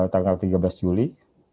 tanggal tiga belas juli